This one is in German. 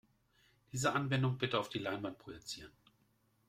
Diese Anwendung bitte auf die Leinwand projizieren.